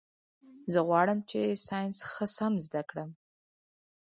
زه غواړم چي ساینس ښه سم زده کړم.